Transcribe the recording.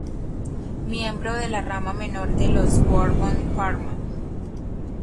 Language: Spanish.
Miembro de la rama menor de los Borbón-Parma.